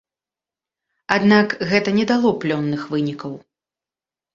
Аднак гэта не дало плённых вынікаў.